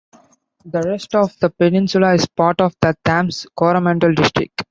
The rest of the peninsula is part of the Thames-Coromandel district.